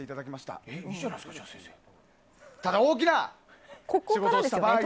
ただ、大きな仕事をした場合。